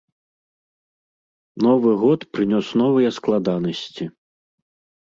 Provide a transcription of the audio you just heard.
Новы год прынёс новыя складанасці.